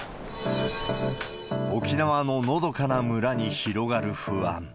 沖縄ののどかな村に広がる不安。